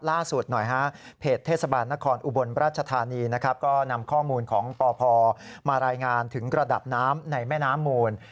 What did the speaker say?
ล่าสุดหน่อยฮะเพจเทศบาลนครอุบลราชธานีนะครับก็นำข้อมูลของปพมารายงานถึงระดับน้ำในแม่น้ำมูล